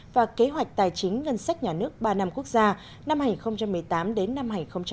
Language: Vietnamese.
và kế hoạch tài chính ngân sách nhà nước ba năm quốc gia năm hai nghìn một mươi tám đến năm hai nghìn hai mươi